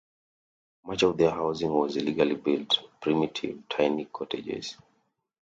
Much of their housing was illegally built, primitive tiny cottages.